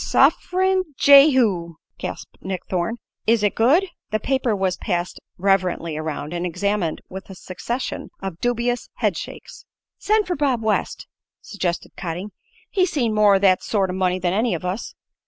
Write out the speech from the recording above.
"Suff'rin' Jehu!" gasped Nick Thorne. "Is it good?" The paper was passed reverently around, and examined with a succession of dubious head shakes. "Send for Bob West," suggested Cotting. "He's seen more o' that sort o' money than any of us."